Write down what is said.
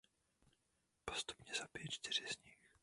Postupně zabije čtyři z nich.